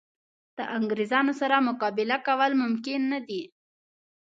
د انګرېزانو سره مقابله کول ممکن نه دي.